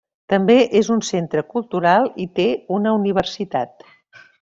També és un centre cultural i té una universitat.